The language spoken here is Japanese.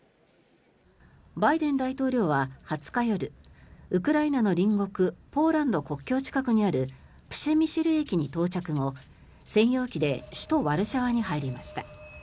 バイデン大統領は２０日夜ウクライナの隣国ポーランド国境近くにあるプシェミシル駅に到着後専用機で首都ワルシャワに入りました。